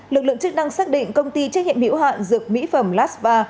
lực lượng chức năng xác định công ty trách nhiệm hiểu hạn dược mỹ phẩm laspa